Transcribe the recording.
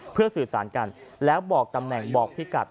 เพื่อสื่อสารกันแล้วบอกตำแหน่งบอกพี่กัด